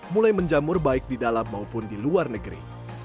mulai menjamur baik di dalam maupun di luar negeri